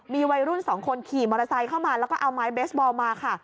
มีวัยรุ่นสองคนขี่มอเตอร์ไซค์เข้ามาแล้วก็เอาไม้เบสบอลมาค่ะ